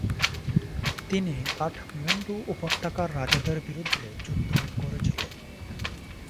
তিনি কাঠমান্ডু উপত্যকার রাজাদের বিরুদ্ধে যুদ্ধ করেছিলেন।